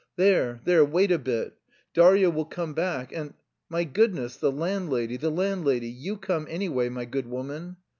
"There, there, wait a bit! Darya will come back and... My goodness, the landlady, the landlady, you come, anyway, my good woman!"